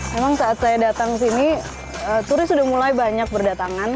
memang saat saya datang ke sini turis sudah mulai banyak berdatangan